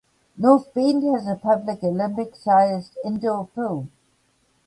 North Bend has a public Olympic-sized indoor pool.